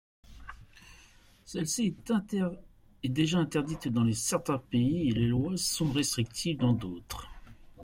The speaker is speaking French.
Celle-ci est déjà interdite dans certains pays, et les lois sont restrictives dans d'autres.